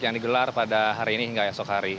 yang digelar pada hari ini hingga esok hari